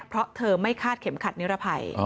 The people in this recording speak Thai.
เพราะเธอไม่คาดเข็มขัดนิรภัย